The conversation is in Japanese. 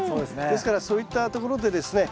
ですからそういったところでですね